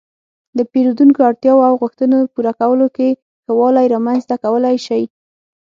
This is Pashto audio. -د پېرېدونکو اړتیاو او غوښتنو پوره کولو کې ښه والی رامنځته کولای شئ